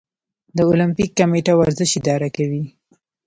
د المپیک کمیټه ورزش اداره کوي